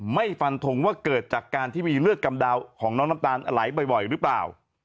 ฟันทงว่าเกิดจากการที่มีเลือดกำดาวของน้องน้ำตาลไหลบ่อยหรือเปล่า